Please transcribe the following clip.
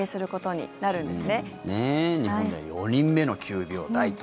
日本では４人目の９秒台と。